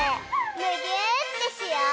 むぎゅーってしよう！